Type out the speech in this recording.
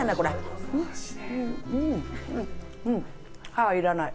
歯いらない。